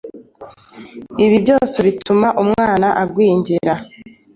ibi byose bituma umwana agwingira,